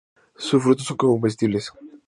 Su frutos son comestibles.